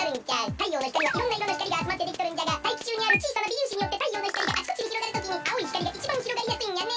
太陽の光はいろんないろの光があつまってできとるんじゃがたいきちゅうにあるちいさな微粒子によって太陽の光があちこちにひろがるときに青い光がいちばんひろがりやすいんやね。